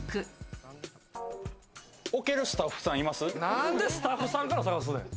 何でスタッフさんから探すねん！